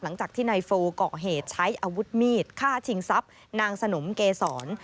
หลังจากที่นายโฟเกาะเหตุใช้อาวุธมีดฆ่าชิงทรัพย์นางสนมเกษร